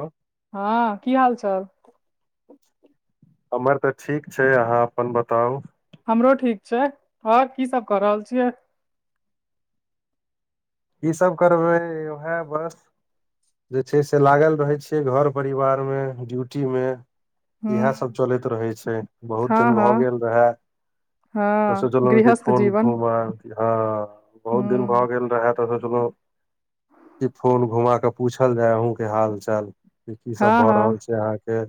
हँ हाॅं की हाल चाल। हमर तऽ ठीक छैय अहाँ अपन बताउ। हमरो ठीक छैय ओर की सब क रहल छियै। की सब करबै उह बस। जे छैय से लागल रहै छियै घर परिवार मे ड्यूटी मे। हू इएह सब चलैत रहे छैय बहुत हँ दिन हँ भऽ गेल रहा। तऽ हँ सोचलहुँ कि गृहस्थ फोन जीवन फोन मार दिय हू बहुत दिन भऽ गेल रहऽ। तऽ सोच लहु जे फोन घुमा क पूछल जाय अहुं के हाल चाल। कि की सभ हँ भऽ हँ रहल छै अहाँके।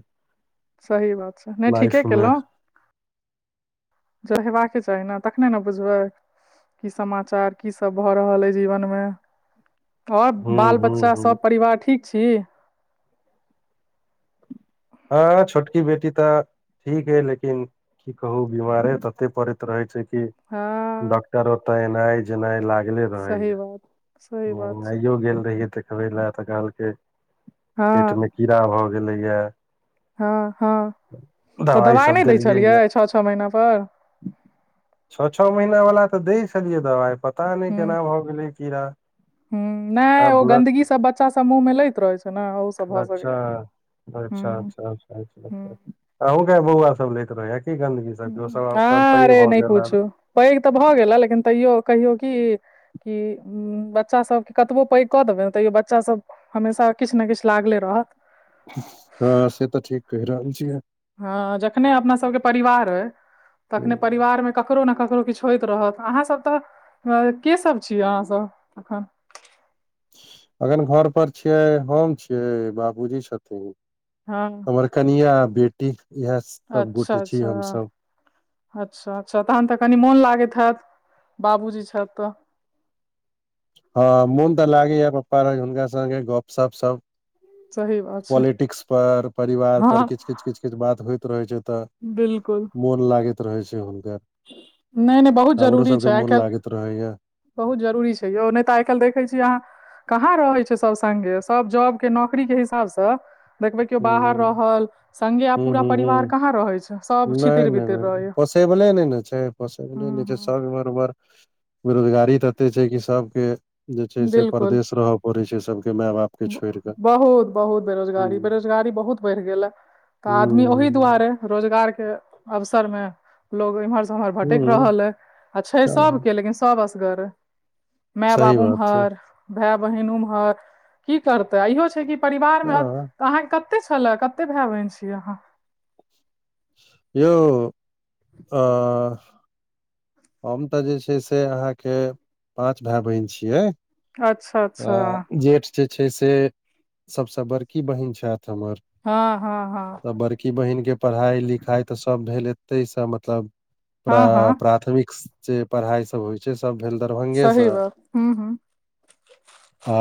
सही बात छैय नैय ठीके लाइफ मे केलहुँ। [inaudible] जौ हेवा कचाही ने तखने ने बुझबै की समाचार की सब भऽ रहल अइ जीवन मे। ओर हू बाल हू बच्चा हू सभ परिवार ठीक छि। अ छोटकी बेटी तऽ ठीक अय। लेकिन की कहू बीमारे तते पड़े रहय छै की हँ डॉक्टर ओ त एनाय। एनाइ लागले रहै सही या बात सही बात घुमनाइयो रहेय य तऽ। देख [inaudible] बे लए तऽ कहलकै हँ पेट मे कीड़ा भए गेलै या। हँ हँ तऽ दवाइ दबाइ सब नहि दै देलियै या छलियै छओ छओ महीना पर छओ छओ महीना वला तऽ दैय छलियै दबाइ प पता नहि हूँ केना भए गेलै कीड़ा हुँ, नहि अब ओ गन्दगी ब्लड। सब बच्चा सब मुँह में लैत रहे छैय ना। अच्छा अच्छा अच्छाचच्छा अच्छा। हुँ, आहु कै बौआ सब लेैत रहेये की गन्दगी सब। ओ सब आब तऽ पैघ आरे भऽ नहि गेल आब पूछू पैघ तऽ भऽ गेला लेकिन तैयो कहियो कि। कि बच्चासभके कतबो पैघ कऽ देबै ने तैयो बच्चासभ। हमेशा किछु ने किछु लागले रहेयत। हँ से तऽ ठीक कहि रहल छियै। हँ जखने अपना सभके परिवार अइ। तखने परिवारमे ककरो नइ ककरो किछ होइत रहत अहाँसभ तऽ हँ केँ सब छी अहाँसभ अखन अखैन घर पर छियै हम छी बाबूजी छथिन हँ हमर कनिया आ बेटी इहै सब अच्छा, गोटे छी अच्छा, हमसब अच्छा अच्छा तहन तऽ कनि मोन लागैत हैत बाबूजी छैथ तऽ हँ मोन तऽ लागेय पपा रहै छथिन हुनका संगे गप - सप सब सही बात छै पॉलिटिक्स पर परिवार पर हँ किछ - किछ - किछ - किछ बात होइत रहैत छै तऽ बिलकुल मोन लागैत रहै छै हुनका नय नय बहुत जरूरी छै आइ काइल लागैत रहैया बहुत जरूरी छै यौ नय तऽ आइ काइल देखैत छी अहाँ कहाँ रहै छै सब संगे सब जॉब केँ नौकरीे केँ हिसाबसँ देखबै कियो हूँ बाहर रहल संगे आब हूँ पूरा हूँ परिवार हूँ कहाँ रहै छै सब छितिर बितिर रहै यऽ टेबले नय नऽ छै पोसबले नय छै सब इमहर उमहर बेरोजगारी तते छै कि सबके जे छै से बिलकुल परदेश रहऽ पड़ै छै सबके मैय बाप के छोड़ि कऽ बहुत बहुत बेरोजगारी हूँ बेरोजगारी बहुत बैड़ गेल ए तऽ आदमी ओही हूँ द्वारे रोजगार केँ अवसर मे लोग इम्हर से उम्हर भटैक हूँ रहल ये आ छै सबके लेकिन सब असगरे मेए सही बाप बात छै उम्हर भेय बहिन उम्हर कि करतै आ इहो छै कि परिवारमे हँ अहाँकेँ कते छलेअ कते भेय बहिन छी अहाँ यौ अ हम तऽ जे छियै से अहाँकेँ पाँच भैय बहिन छियै अछ तऽ जेठ जे छै से सबसँ बड़की बहिन छैथ हमर हँ - हँ - हँ तऽ बड़की बहिन केँ पड़हाइ लिखाइ तऽ सब भेल एतैसँ मतलब ओकरा हँ हँ प्राथमिक जे पड़हाइ सब होइ छै सब भेल दरभंगे सँ हुँ - हुँ आ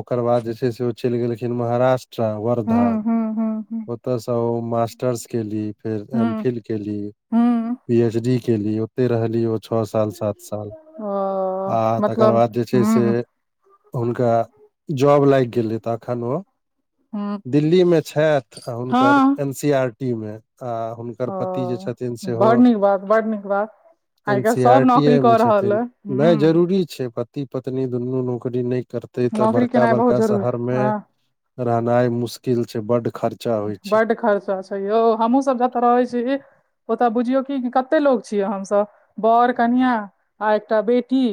ओकर बाद जे छै से ओ चैल गेलखिन महाराष्टा वर्धा हूँ हूँ हूँ ओतयसँ ओ मास्टर्स केली फेर एम हूँ फिल केली हूँ पी एच डी केली ओ तैय रहली ओ छ साल सात साल ओ आ तकर मतलब बाद जे छै हूँ से हुनका जॉब लाइग गेलै तखन ओ हूँ दिल्लीमे छैथ आ हुनकर हँ एन सी आर टी मे आ हुन कर ओ पति जे छथिन सेहो बड़ नीक बात बड़ नीक बात एन आइ काल्हि सी सभ आरटी ए नौकरी मे कऽ रहल छथिन अइ नय हूँ जरूरी छै प पति पत्नी दुन्नू नौकरी नय करते तऽ नौकरी बड़का - केनाइ बहुत बड़का जरूरी शहर मे हँ रहनाइ मुश्किल छै बड्ड खर्च बड्ड खर्चा छै यौ हमहुँ सब जतऽ रहै छी ओता बुझियौ की कते लोग छियै हमसभ बर कनिआ आ एकटा बेटी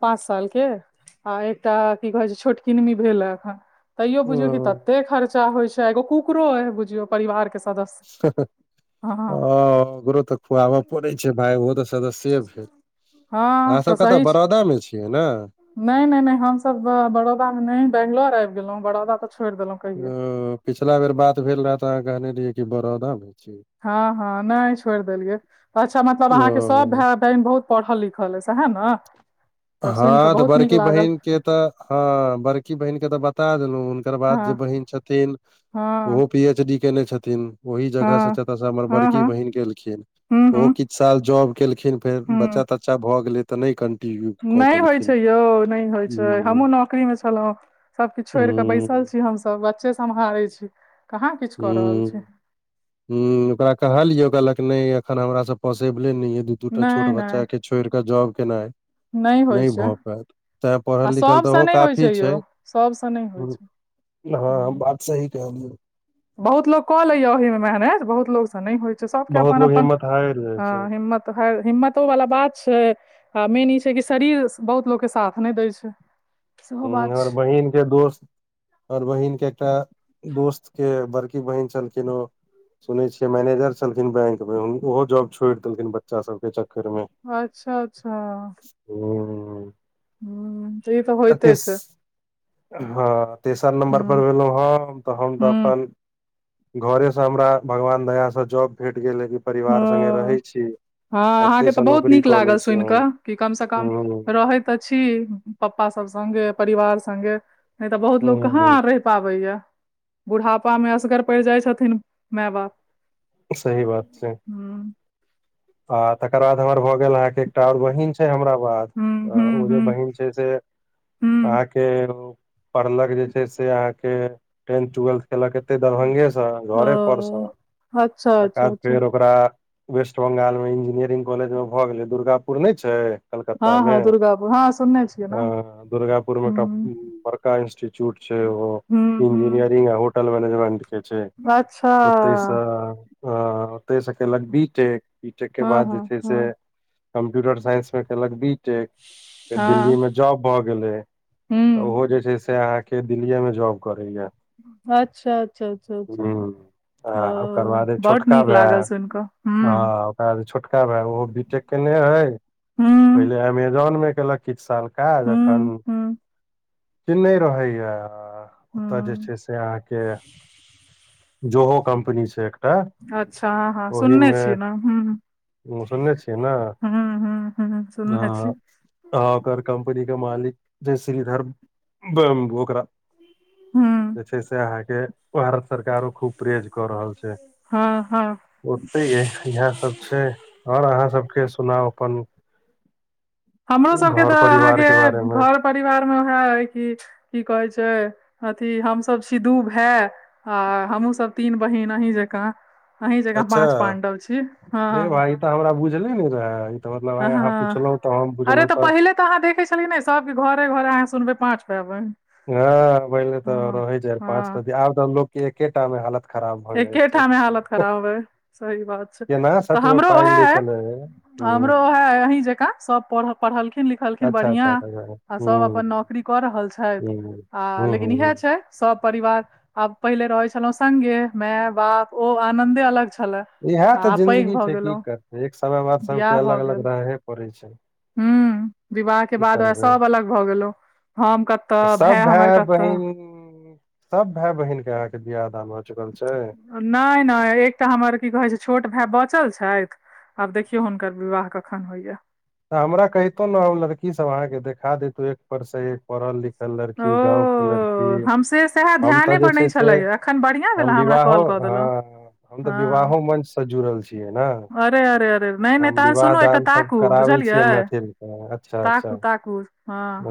पाँच साल केँ आ एकटा की कहै छै छोट किनमी भेल हऽ एखन तैयो ओ बुझियो की तते खर्चा होइ छै एगो कुकरो अय बुझियो परिवार केँ सदस्य हँ हँ ओ रो तऽ खुआबऽ परै छै भाय ओहो तऽ [unintelligible] अहाँ हँ सब कतऽ बड़ौदा मे छियै ने नै नै नै हमस त बड़ौदा मे नै बंगलोर आबि गेलहुं बड़ौदा तऽ छोड़ि देलहुॅं ओ पिछला बेर बात भेल रहए तऽ अहाँ कहने रहियै कि बड़ौदामे छी हँ हँ नै छोड़ि देलियै तऽ पाछा मतलब अहाँके सब ओ भाए टैम बहुत पढ़ल लिखल अई सहए न हँ तऽ बड़की बहिनके तऽ हँ बड़की बहिनके तऽ बता देलौ हुनकर बाद हँ जे बहीन छथ तीन हँ पी एच डी केने छथिन ओहि जगह स हँ जतऽ स हमर हँ बड़की हँ बहिन केलखिन हूँ ओहो हूँ साल जॉब केलखिन फेर बच्चा तच्चा भए गेलै त नै कंटिन्यू कऽ नै होइ पेलखिन छै यौ नै होइ छै हमहूँ हूँ नौकरीमे छलहुँ सबकिछु छोड़ि कऽ बैसल हूँ छी हमसब बच्चे सम्हारै छी कहाँ किछु कऽ रहल छी हूँ हूँ ओकरा कहलिय कहलक नै अखन हमरा स पोसीबले नै अई दू दूटा नहि छोट बच्चा के छोड़ क जॉब केनाइ नै होइ छै तेंऽ आ पढ़ल लिखल त सभसँ ऽओहो नहि होइ काफी छै यौ सभसँ नहि होइ छै हूँ हँ सही कहलियौ बहुत लोको कऽ लेया ओहि मे मेहनत बहुत लोक स नै होइ छै सबके बहुत अपन लोग अपन हिम्मत हारि जाइ हँ छै हिम्मत तऽ हर हिम्मतो वाला बात छै हँ मिनी छै कि शरीर बहुत लोकके साथ नै दै छै सेहो हूँ बात हमर छै बहिन के दोस हमर बहिन के एकटा दोस्त के बड़की बहिन छलखिन ओ सुनै छियै मैनेजर छलखिन बैंक मे ओहो जॉब छोड़ि देलखिन बच्चा सब के चक्कर मे अच्छा अच्छा हँ हूँ कतेस हँ तेसर हुँ नम्बर पर भेलौं हम तऽ हम तऽ हुँ अपन घरेसँ हमरा भगवान दयासँ जॉब भेट गेल लेकिन परिवार संगे रहै हँ छी हँ एतहि अहाँके तऽ से बहुत नौकरी नीक कऽ लै लागल छी सुनि हम कऽ कि कमसँ कम हूं रहैत तऽ छी पप्पा सब संगे परिवार संगे नै तऽ बहुत लोक हूं कहाँ रहि पाबै या बुढ़ापा मे असगर पड़ि जाइ छथिन माय बाप सही बात छै हुँ आ तकर बाद हमर भऽ गेल अहाँके एकटा आर बहिन छै हमरा बाद हुँ हुँ ओ जे हुँ बहिन छै से हुँ अहाँके ओ पढ़लक जे छै से अहाँके टेंथ ट्वेल्थ केलक एते दरभंगे स घरे पर स ओ अच्छा तकर अच्छा बाद अच्छा फेर ओकरा वेस्ट बंगाल मे इंजीनियरिंग कॉलेज मे भए गेलै दुर्गापुर नै छै कलकत्ता हँ मे हँ दुर्गापुर हँ सुनने छियै ने अ दुर्गापुर मे एकटा हुँ बर इंस्टिच्यूट छै ओहो हुँ हुँ इंजीनियरिंग होटल मैनेजमेंट के छै अच्छा ओतेस हँ ओतेसकेेलक बीटेक पीटेक के हँ बाद जे हँ छै से हँ कम्प्यूटर साइंसमे केलक बी टेक फेर हँ दिल्लीमे जॉब भऽ गेलै तऽ हुं ओहो जे छै से अहाँके दिल्लीएमे जॉब करैएा अच्छऽ अच्छऽ अच्छऽ अच्छऽ आ ओ ओकर बाद बहुत नीक लागल सुनि कऽ हुँ आ ओकरा छोटका भाय ओहो बी टेक केने रहैय हुं पहिले एमेजोन मे केलक किछ साल काज अखन हुं हुं दिल्ली रहै य ओतऽ जे हुं छै से अहाँकेँ जोहो कम्पनी छै अच्छा हँ हँ सुनने छिये नाम हुँ सुनने छियै नय हुं हुं हुं सुनने छी हँ अहाँ ओकर कम्पनी कऽ मालिक जय श्रीधर ओकरा हुं जे छै से अहाँकेँ भारत सरकारो खूब परेज कऽ रहल छै हँ - हँ ओतैेये इहै सब छै आओर अहाँ सबके सुनाउ अपन हमरो सबके घर तऽ परिवार के बारे अहाँकेँ मे घर परिवार मे उहै हइ की की कहै छै अथी हमसभ छी दू भाय आ हमहुँ सब तीन बहिन आहि जकाँ आँही जका पाँच पाण्डव छी हँ इ तऽ हमरा बुझले नय रहै ई तऽ मतलब आय अहाँ हँ पुछलहुँ तऽ हम अरे बुझलहुँ तऽ पहिले तऽ अहाँ देखे छलियै नय सबकेँ घरे घर अहाँ सुनबै पाच भाय बहिन हँ पहिल तऽ हँ रहै जाय पाँच पती आब तऽ लोक केँ एकेटा मे हालत खराब भऽ जाइ छै एकेटा मे हालत खराब हइ सही बात छै केना तऽ सच मे हमरो पाइ ओहे लै ऐ छलै ह हमरो ओहै है आँहि जकाँ सब पढ़ल पढ़लखिन लिखलखिन अच्छा अच्छा बढ़िया अच्छा ह आ सब अपन नौकरी कऽ रहल ह छैथ आ ह लेकिन ह इहै ह छै सब परिवार आब पहिले रहै छलौ सगे माय - बाप ओ आनदे अलग छलै इहै तऽ जिन्दगी छै की करतै एक समय बाद सबके अलग अलग रहे पड़े छै हुँ विवाह केँ की बाद ओ करबै सब अलग भऽ गेलो हम कतऽ भाय सब हमर कतऽ बहिन सब भाय बहिन केँ अहाँकेँ बियाह दान भऽ चुकल छै नय नय एकटा हमर की कहैत छै छोट भाय बचल छैथ आब देखियौ हुनकर विवाह कखन होइय तऽ हमरा कहितो नऽ हम लड़की सब अहाँकेँ देखा देैतौ एक पर सँ एक पढ़ल लिखल ओ लड़की गाँव केँ लड़ की हम से सएह हम तऽ ध्याने जे पर छै नहि से छलैया एखन बढ़िआँ हम भेले हमरा विवाहो कॉल कऽ देलहुँ हँ हम तऽ हँ विवाहो मंच सँ जुड़ल छियै नऽ अरे अरे अरे नहि नहि हम तहन विवाह सुनू एकटा दान सब ताकू करा बै छियै मैथिल कऽ अच्छऽ अच्छऽ ठाकुर हँ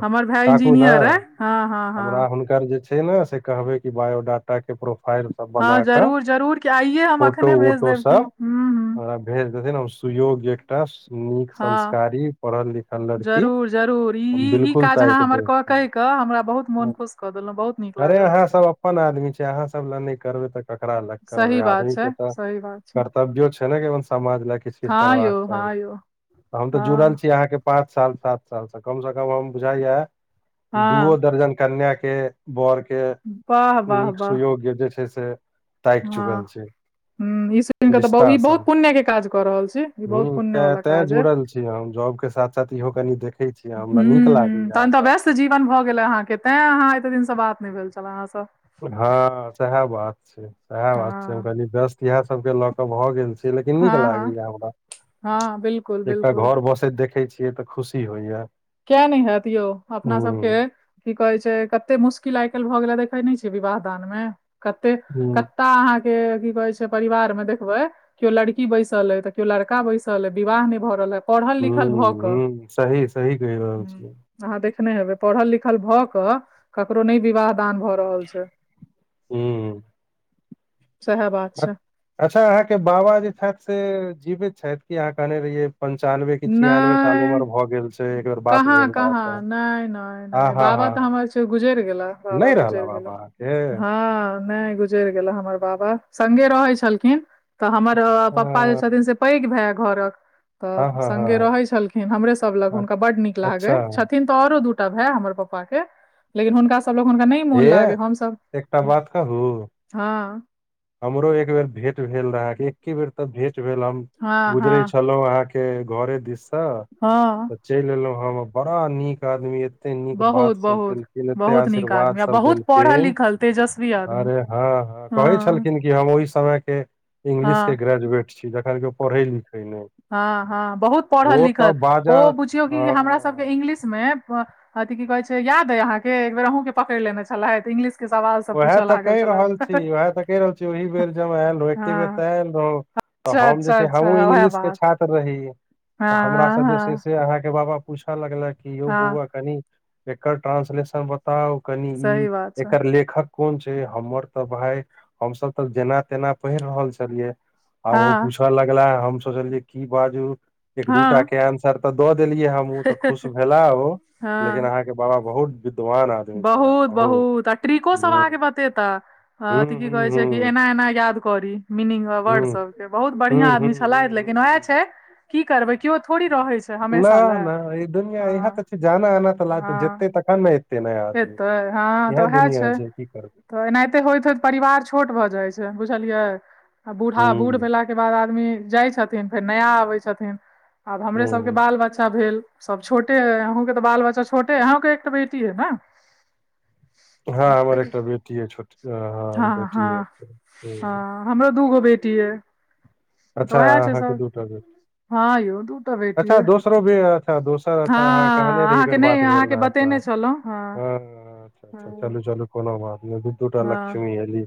हमर भाय ताकू इंजीनियर ने अई हँ हँ हमरा हँ हुनकर जे छै नऽ से कहबै कि बायोडाटा केँ प्रोफाइल सब हँ बना कऽ जरूर जरूर की आइये हम फोटो अखने भेज वोटो देब की सब हुँ हुँ हमरा भेज देथिन हम सुयोग्य एकटा नीक हँ संस्कारी पढ़ल लिखल लड़की जरूर जरूर ई हम ई ई बिल्कुल काज अहाँ ताकि हमर कऽ कहि देब कऽ हमरा बहुत मोन खुश कऽ देलहुँ बहुत नीक अरे लागल अहाँ सब अपन आदमी छै अहाँ सब लऽ नय करबै तऽ ककरा लऽ करबै सही बात आदमी छै केँ तऽ सही बात छै कर कहबियो छै नऽ की समाज लऽ किछ किछ हँ यौ करबाक चाही हँ यौ हम तऽ जुड़ल हँ छी अहाँकेँ पाँच साल सात साल सँ कम सँ कम हम बुझाइय दूओ हँ दर्जन कन्या केँ बर केँ वाह वाह नीक वाह सुयोग्य जे छै से ताइक चुकल छी हुँ ई सुइन कऽ तऽ ई बहुत पुण्यकेँ काज कऽ रहल छी ई बहुत हूँ पुण्य तें वाला तें काज अइ जुड़ल छी हम जॉब केँ साथ साथ इहो कनि देखे छीये हमरा हूँ नीक लागेय हूँ तहन तऽ हमरा व्यस्त जीवन भऽ गेलै अहाँके तैं अहाँ एते दिनसँ बात नहि भेल छल अहाँ से हाँ सेएहा बात छै सेएहा बात छै हम हँ कनि दस्त इएह सब केलक भऽ गेल छै लेकिन नीक हँ हँ लागैये हमरा हँ बिल्कुल एकटा बिल्कुल घर बसैत देखे छी के तऽ खुशी होइया किया ने हात यौ अपना हूँ सबके की कहै छै कते मुश्किल आय काल भऽ गेलै देखै ने छिये विवाह दान मे कते हूँ कत्ता अहाँके की कहै छै परिवार मे देखबै केओ लड़की बैसल अइ तऽ केओ लड़का बैसल अइ तऽ विवाह ने भऽ रहल हेतऽ पढ़ल लिखल भऽ हूँ कऽ। हूँ सही सही केह रहल हूँ, छियै अहाँ देखने हेबे पढ़ल लिखल भऽ क ककरो ने विवाह ' दान भऽ रहल छै हूँ सेहा बात अच्छा अहाँके बाबा जे छैथ जीवैत छैथ कि अहाँ कहने रहियै पंचानबे की छियानबे साल नहि उमर भए गेल छै एक बेर बात कहाँ भेल रहे कहाँ तऽ न आ न हा हा बाबा हा। तऽ हमर छै गुजर गेला बाबा नहि रहल गुजैर गेला। बाबा अहाँके हांँ ने गुजर गुजेर गेल हमर बाबा संगे रहै छलखिन तऽ हमर पप्पा जे छथिन से पैग भाय घरक तऽ हँ हँ संगे रहै छलखिन हमरे सब लग हँ हुनका बड नीक लागै अच्छा तऽ ओरो दूटा भाय हमर पप्पा के लेकिन हुनका सबलंग हुनका ने कतेक हे मन लागे हमसब एकटा बात कहू हांँ हमरो एक बेर भेंट भेल रहा कि एके बेर तऽ भेट भेल हम हँ गुजरे हँ छलहुं अहाँके के घरे दिश से हँ चेल एलहुँं हम बड़ा नीक आदमी एते नीक बात बहुत सब बहुत केलखिन एते बहुत नीक आशीर्वाद आदमी आ सब बहुत पढ़ल देलखिन लिखल तेजस्वी आदमी अरे हाँ हाँ। कहे हँ छलखिन की हमु इसाल आय के इंगलिश हँ के ग्रेजुएट छी जखन के ओ पढ़े लिखे ने ' हाँ हाँ बहुत पढ़ल लिखल ओ बाजऽ बुझियौ कि हमरा सब। तब हँ इंगलिश मे पऽ अथि की कहेछै याद या अहांँ के एक बेर आहों के पकेर लेने छलैत इंगलिश उएहा तऽ कैह रहल छी उएहा तऽ कैह रहल छी ओहि बेर जे हम आल रहूंँ एके बेर हँ तऽ आल रहूँ अच्छा हम जे अच्छा छैय हमू अच्छा ओएह इंगलिश के बात छात्र छात्र रहीं तऽ हमरा हँ से जे से हँ से अहाँके बाबा पूछे लगले कि यौ हँ बौवा कथि एकर ट्रांसलेशन बताउ कनि [unintelligible] ही सही बात छै एकर लेख लिखक कोन छै हमर तऽ भाय हमसब तऽ जेना तेना पढ़ रहल छलि आब उ हँ पूछेऽ लगला हम सोचलिय की बाजू एक दू टा हँ के एंसर तऽ द देलिये हम ' उ तऽ खुश भेला हो लेकिन हँ अहा के बाबा बहुत विद्वान आदमी बहुत बहुत आ ट्रीको सब हूँ अहाँके बतेता अथी की कहे छै की एना एना याद करी मीनिंग अ वर्ड सब के बहुत बढ़िया आदमी छै। फलाट लेकिन वएह छै की करबै केओ थोड़ी रहै छै न हमेशा लए न ई दुनिया इहा हँ त छै जाना आना तऽ लागतै हँ जतै तऽखन न‌ ऐते के नया एतै हँ तऽ एहा उएह दुनिया छै की तऽ एनाहिते होइत होइत परिवार छोट भऽ जाइत छै बुझलियै। आ बूढ़ा हुँ, बूढ़ भेलाके बाद आदमी जाय छथिन फेर नया आबै छथिन। आब हमरे हुँ। सबके बाल बच्चा भेल सब छोटे ह अहूं के तऽ बाल बच्चा छोटे अहूं के एकटा बेटी है न। हाँ हमर एकटा बेटीये [unintelligible] छथिन हाँ हाँ हँ हँ बेटीये हँ हमरो दूगो बेटी यै। अच्छा अहाँके दू टा बेटी हाँ यौ दूटा बैटी यै ओकरो भेता दोस [unintelligible] अ अहांँ कहने रहीये अहाँके एकर नहि बात भेल अहाँके रहा बतेने छलहुँ हँ तऽअच्छा हँ चलू चलू कोनो बात नै दुदूटा हँ लक्ष्मी येली